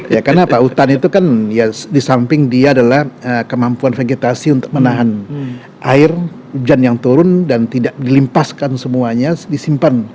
ya karena apa hutan itu kan ya di samping dia adalah kemampuan vegetasi untuk menahan air hujan yang turun dan tidak dilimpaskan semuanya disimpan